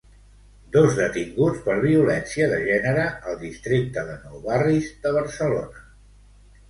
Dos detinguts per violència de gènere al districte de Nou barris de Barcelona.